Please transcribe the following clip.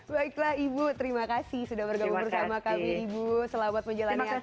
baiklah ibu terima kasih sudah bergabung bersama kami ibu selamat menjalani aktivitas